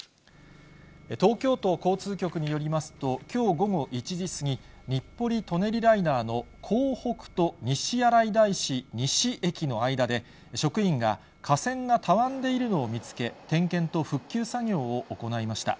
東京都交通局によりますと、きょう午後１時過ぎ、日暮里・舎人ライナーの江北と西新井大師西駅の間で、職員が架線がたわんでいるのを見つけ、点検と復旧作業を行いました。